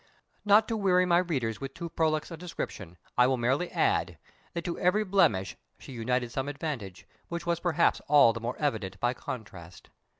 Not to weary my readers with too prolix a description, I will merely add, that to every blemish she united some advantage, which was perhaps all the more evident by contrast.